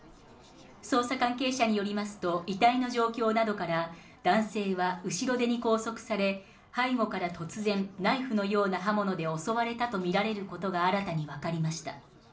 捜査関係者によりますと、遺体の状況などから、男性は後ろ手に拘束され、背後から突然、ナイフのような刃物で襲われたと見られることが新たに分かりました。